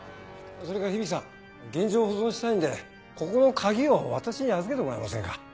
それから響さん現状を保存したいんでここの鍵を私に預けてもらえませんか？